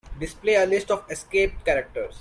Display a list of escape characters.